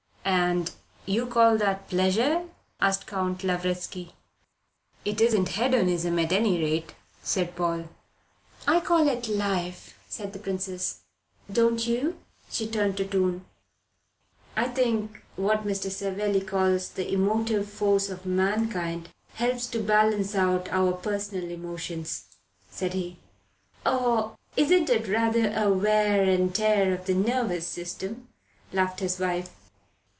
"And you call that pleasure?" asked Count Lavretsky. "It isn't hedonism, at any rate," said Paul. "I call it life," said the Princess. "Don't you?" she turned to Doon. "I think what Mr. Savelli calls the emotive force of mankind helps to balance our own personal emotions," said he. "Or isn't it rather a wear and tear on the nervous system?" laughed his wife.